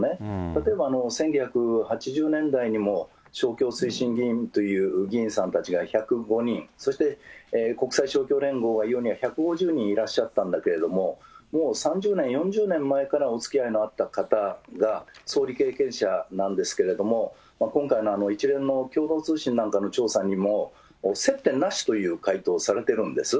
例えば１９８０年代にも、勝共精神議員という議員さんたちが１０５人、そして国際勝共連合が、優に１５０人いらっしゃったんですけれども、もう３０年、４０年前からおつきあいのあった方が総理経験者なんですけども、今回の一連の共同通信なんかの調査にも接点なしという回答をされてるんです。